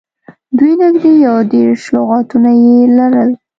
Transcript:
دوی نږدې یو دېرش لغاتونه یې لرل.